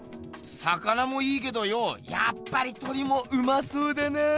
魚もいいけどよやっぱり鳥もうまそうだな。